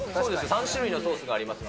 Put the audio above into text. ３種類のソースがありますが。